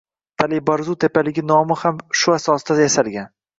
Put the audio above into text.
Tali Barzu tepaligi nomi ham shu asosda yasalgan.